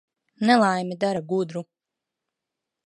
Nelaime dara gudru.